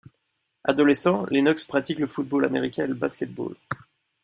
Adolescent, Lennox pratique le football américain et le basketball.